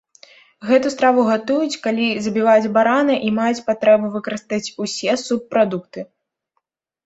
Гэту страву гатуюць, калі забіваюць барана і маюць патрэбу выкарыстаць усе субпрадукты.